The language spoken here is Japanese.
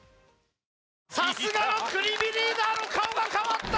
さすがの国見リーダーの顔が変わった。